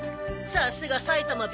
さすが埼玉紅